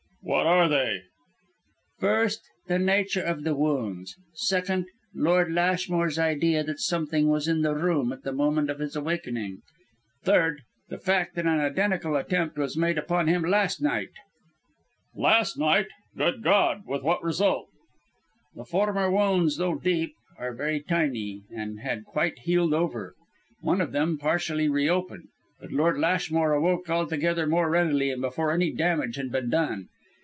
"What are they?" "First: the nature of the wounds. Second: Lord Lashmore's idea that something was in the room at the moment of his awakening. Third: the fact that an identical attempt was made upon him last night!" "Last night! Good God! With what result?" "The former wounds, though deep, are very tiny, and had quite healed over. One of them partially reopened, but Lord Lashmore awoke altogether more readily and before any damage had been done.